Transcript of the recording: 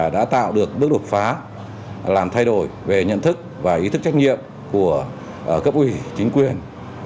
đã tạo được bước đột phá làm thay đổi về nhận thức và ý thức trách nhiệm của cấp ủy chính quyền